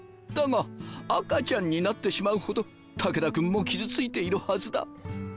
だが赤ちゃんになってしまうほど武田君も傷ついているはずだ。